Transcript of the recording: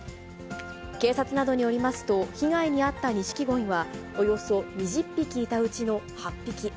警察などによりますと、被害に遭ったニシキゴイは、およそ２０匹いたうちの８匹。